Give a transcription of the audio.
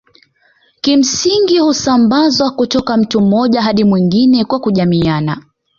kimsingi husambazwa kutoka mtu mmoja hadi mwingine kwa kujamiiana